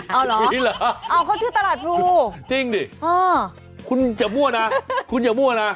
เอาเหรอเอาเข้าที่ตลาดพลูจริงสิคุณจะมั่วนะ